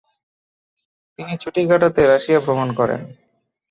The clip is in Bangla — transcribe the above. তিনি ছুটি কাটাতে রাশিয়া ভ্রমণ করেন।